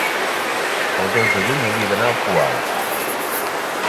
el dos de juny hauria d'anar al Poal.